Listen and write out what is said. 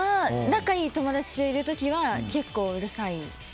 仲いい友達といる時は結構うるさい。